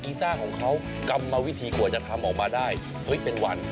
ที่เราตีเองทำเองนวดเอง